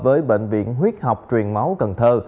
với bệnh viện huyết học truyền máu cần thơ